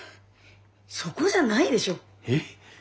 そこじゃないでしょ！え？